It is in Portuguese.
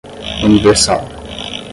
universal